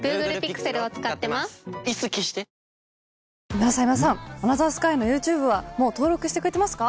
今田さん今田さん『アナザースカイ』のＹｏｕＴｕｂｅはもう登録してくれてますか？